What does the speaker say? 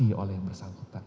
itu adalah yang bersangkutan